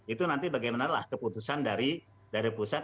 itu nanti bagaimana lah keputusan dari pusat